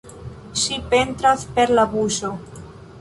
Ŝi pentras per la buŝo.